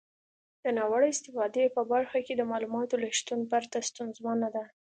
د ناوړه استفادې په برخه کې د معلوماتو له شتون پرته ستونزمنه ده.